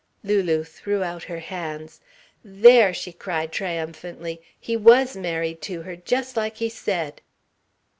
Lulu threw out her hands. "There!" she cried triumphantly. "He was married to her, just like he said!"